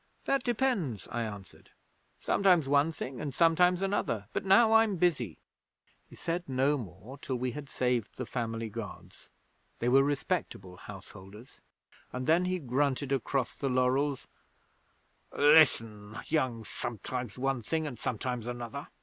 '"That depends," I answered; "sometimes one thing and sometimes another. But now I'm busy." 'He said no more till we had saved the family gods (they were respectable householders), and then he grunted across the laurels: "Listen, young sometimes one thing and sometimes another.